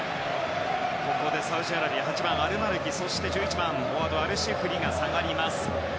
ここでサウジアラビアは８番のアルマルキそして１１番、フォワードのアルシェフリが下がります。